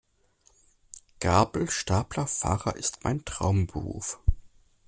Gabelstaplerfahrer ist mein Traumberuf.